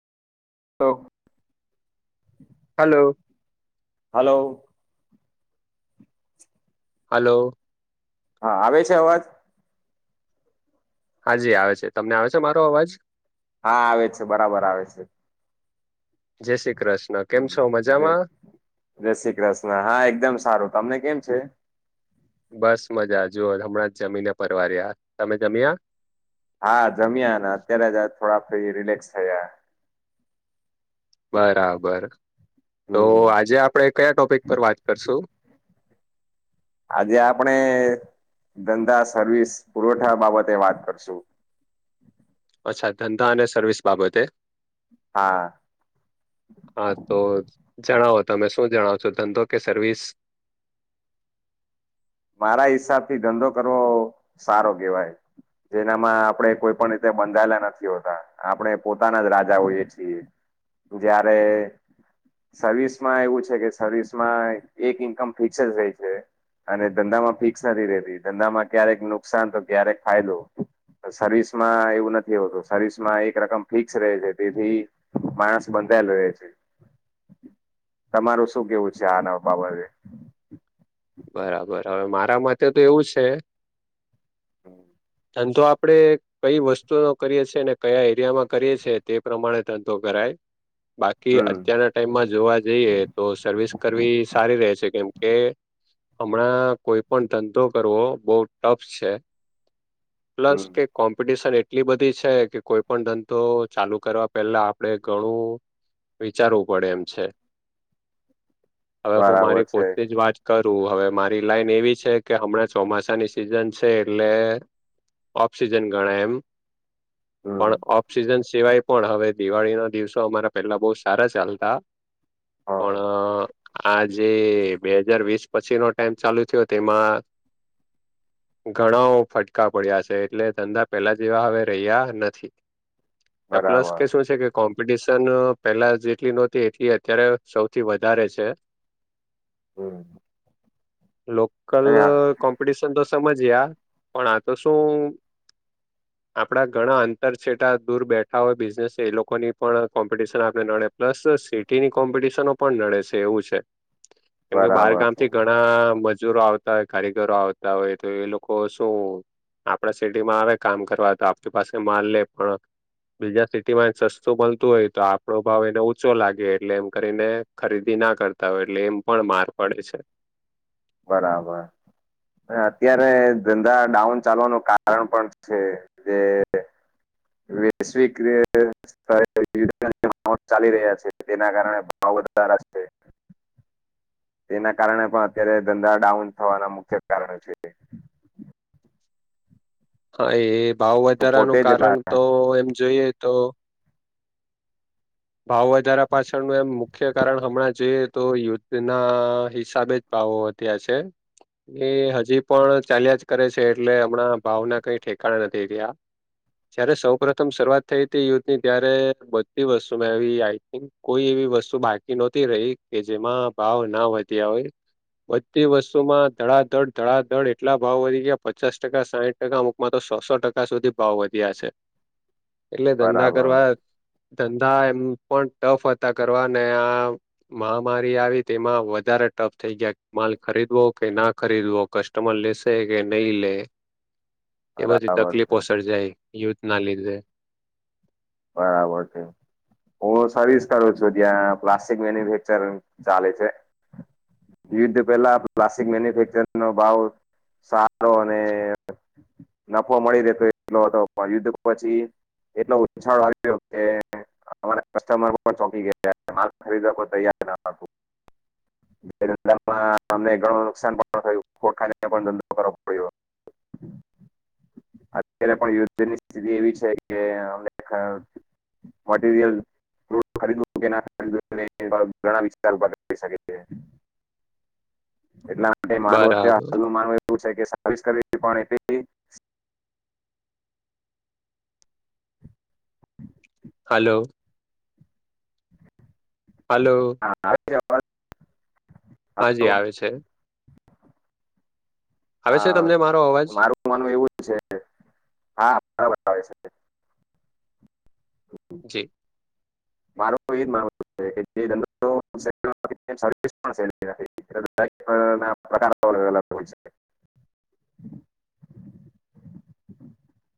તો hello, hello, hello, હા, આવે છે અવાજ? હાજી આવે છે, તમને આવે છે, મારો અવાજ? હા, આવે છે બરાબર આવે છે. જય શ્રી કૃષ્ણ કેમ છો? જય મજામાં. જય શ્રી કૃષ્ણ હા, એકદમ સારું તમને કેમ છે? બસ મજા જુઓ હમણાં જમીને પરવાર્યા તમે જમ્યા? હા, જમ્યા ને અત્યારે જ થોડા ફ્રી રિલેક્સ થયા. બરાબર તો હમ આજે આપડે કયા ટોપિક પર વાત કરશું? આજે આપણે ધંધા સર્વિસ પુરવઠા બાબતે વાત કરશું. અચ્છા ધંધા અને સર્વિસ બાબતે, હા, હા, તો જણાવો તમે શું જણાવો છો ધંધો કે સર્વિસ? મારા હિસાબ થી ધંધો કરવો સારો કેહેવાય, જેનામાં આપડે કોઈ પણ રીતે બંધાયેલા નથી હોતા, આપણે પોતાના જ રાજા હોએ છીએ, જીયારે સર્વિસ માં એવું છે, કે સર્વિસમાં એક ઇન્કમ ફિક્સ જ હોય છે, અને ધંધામાં ફિક્સ નથી રેતી ધંધામાં ક્યારેક નુકસાન તો ક્યારેક ફાયદો સર્વિસ માં એવું નથી હોતું સર્વિસ માં એક રકમ ફિક્સ રહે છે, તેથી માણસ બંધાયેલો રેય છે, તમારું શું કેવું છે? આ ના બાબતે. બરાબર અવે મારા મતે તો એવું છે, [inaudible] ધંધો આપડે કઈ વસ્તુનો કરીએ છીએ, ને કયા એરિયામાં કરીએ છેએ તે પ્રમાણે ધંધો કરાય બાકી હમ અત્યારના ટાઈમમાં જોવા જઈએ, તો સર્વિસ કરવી સારી રહે છે, કેમ કે હમણાં કોઈ પણ ધંધો કરવો બો ટફ છે. પ્લસ હમ કે કોમ્પિટશન એ એટલી બધી છે, કે કોઈ પણ ધંધો ચાલુ કરવા પહેલા આપડે ઘણું વિચારવું પડે એમ છે, હવે હું બરાબર મારી છે પોતે જ વાત હવે મારી લાઈન એવી છે, કે હમણાં ચોમાસાની સિઝન છે એટલે ઓફસીજન ગણાય એમ પણ હમ ઓફસીજન સિવાય પણ હવે દિવાળી ના દિવસો અમારા પેલા બો સારા ચાલતા પણ હા આજે બે હજાર વીસ પછી નો ટાઈમ ચાલુ થયો તેમાં [inaudible] ઘણઓ ફટકા પડ્યા છે, એટલે ધંધા પેલા જેવા હવે રહ્યા નથી પ્લસ કે બરાબર શું છે કે કોમ્પિટિશન પેલા જેટલી નહોતી એટલી અત્યારે સૌથી વધારે છે હમમ લોકલ આ- કોમ્પિટિશન તો સમજ્યા, પણ આ તો શું આપડા ઘણા અંતર છેટા દૂર બેઠા હોય બિઝનેસ એ લોકોની પણ કોમ્પિટિશન આપણે નડે પ્લસ સિટીની કોમ્પિટિશનો પણ નડે છે એવું છે, કેમકે બાર બરાબર ગામ છે ઘણા મજૂરો આવતા હોય કારીગરો આવતા હોય તો એ લોકો શું આપડા સિટીમાં આવે કામ કરવા તો આપણી પાસે માલ લે પણ બીજા સિટીમાં સસ્તું મલતું હોય તો આપણો ભાવ એને ઉચો લાગે એટલે એમ કરીને ખરીદી ના કરતા હોય એટલે એમ પણ માર પડે છે. બરાબર, અત્યારે ધંધા ડાઉન ચાલવાનું કારણ પણ છે જે [unintelligible] વૈશ્વિક [inaudible] ચાલી રહ્યા છે તેના કારણે ભાવ વધારા છે તેના કારણે પણ અત્યારે ધંધા ડાઉન થવાના મુખ્ય કારણો છે. હા એ ભાવ તો વધારાનું પોતે જ લા- કારણ તો એમ જોઈએ તો ભાવ વધારા પાછળનું એમ મુ મુખ્ય કારણ હમણાં જોઈએ તો યુદ્ધના હિસાબે જ ભાવો વધ્યા છે. એ હજી પણ ચાલ્યા જ કરે છે એટલે હમણાં ભાવના કઈ ઠેકાણા નથી રહ્યા. જયારે સૌ પ્રથમ શરૂઆત થઈ હતી યુથની ત્યારે બધી વસ્તુ મે આવી [unintelligible] કોઈ એવી વસ્તુ બાકી નહોતી રહી કે જેમાં ભાવ ના વધ્યા હોય. બધી વસ્તુમાં ધડાધડ ધડાધડ એટલા ભાવ વધી ગયા પચાસ ટકા સાહીઠ ટકા મુ માં તો સોસો ટકા સુધી ભાવ વધ્યા છે. [inaudible] એટલે ધંધા બરાબર કરવા, ધંધા એમ પણ ટફ હતા કરવા ને આ મહામારી આવી તેમાં વધારે ટફ થઈ ગયા માલ ખરીદવો કે ના ખરીદવો. કસ્ટમર લેશે કે નઈ લે. એ બધી બરાબર છે તકલીફો સર્જાય યુદ્ધ ના લીધે. બરાબર છે. હું સર્વિસ કરું છું ત્યાં પ્લાસ્ટિક મેન્યુફેક્ચર ચાલે છે. યુદ્ધ પેલા પ્લાસ્ટિક મેન્યુફેક્ચર નો ભાવ સારો અને નફો મળી રહેતો એટલો હતો યુદ્ધ પછી એટલો [unintelligible] છાડ વાતે [unintelligible] અમારા કસ્ટમર પણ ચોકી ગયા [unintelligible] [unintelligible] છે માલ ખરીદવા કો તૈયાર નતું બે ધંધામાં અમને ઘણું નુકસાન પણ થયું [unintelligible] ખટખાનીને પણ ધંધો કરવો પડ્યો. અત્યારે પણ યુદ્ધ ની સ્થિતિ એવી છે કે અમ [unintelligible] મટિરીયલ [unintelligible] ખરી કે ઘણા વિસ્તાર [unintelligible] શકે છે. એટલા માટે મારું અત્યારે બરાબર હાલનું [unintelligible] [unintelligible] મા એવું છે કે સર્વિસ કર [unintelligible] પણ એ હ [inaudible] હલો. હલો હા. [unintelligible] હલો? હાજી આવે છે. આવે છે હા તમને મારો અવાજ મારું માનવું એવું જ છે, હા બરાબર આવે છે. જી [inaudible] મારો એ જ માનવું છે કે જે ધ એ એ